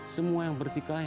semua yang bertikai